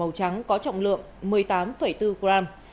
màu trắng có trọng lượng một mươi tám bốn gram